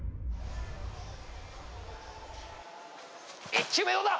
１球目どうだ！？